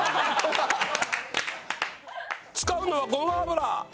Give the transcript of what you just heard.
使うのはごま油。